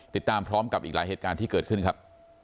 ติดตามพร้อมกับอีกหลายเหตุการณ์ที่เกิดขึ้นครับ